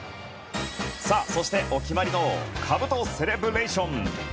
そして、お決まりのかぶとセレブレーション。